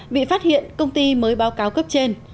bị phát hiện công ty mới báo cáo cấp trên